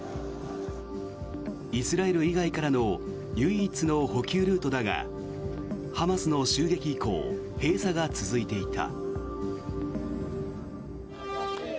イスラエル以外からの唯一の補給ルートだがハマスの襲撃以降閉鎖が続いていた。